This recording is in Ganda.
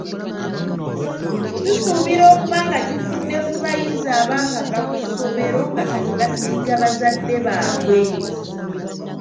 Tusuubira okuba nga kivudde ku bayizi abaakava ku ssomero nga kati basiiga bazadde baabwe.